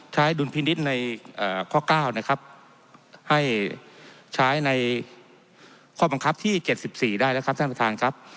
ดุลพินิษฐ์ในข้อ๙นะครับให้ใช้ในข้อบังคับที่๗๔ได้แล้วครับท่านประธานครับ